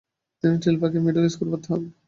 তিনি টিলবার্গের মিডল স্কুলে ভর্তি হন।